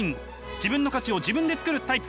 自分の価値を自分で作るタイプ。